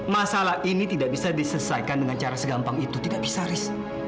masalah ini tidak bisa diselesaikan dengan cara segampang itu tidak bisa risk